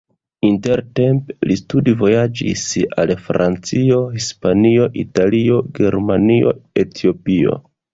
Intertempe li studvojaĝis al Francio, Hispanio, Italio, Germanio, Etiopio.